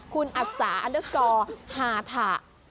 คุณอัศาอันเดอร์สกอร์ฮาถะ